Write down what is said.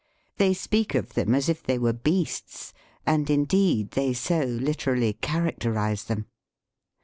They speak of them as if they were beasts, and, indeed, they so literally characterize them.